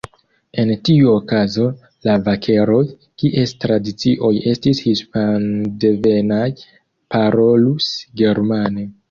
En tiu okazo, la vakeroj, kies tradicioj estis hispandevenaj, parolus germane.